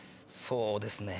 そうですね。